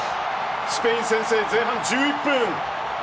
スペイン先制、前半１１分。